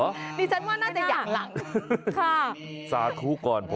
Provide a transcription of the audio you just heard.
ดิฉันว่าน่าจะอยากหลัง